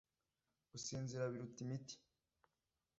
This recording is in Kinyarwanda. gusinzira biruta imiti